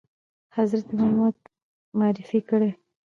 حضرت محمد معرفي کړی ؟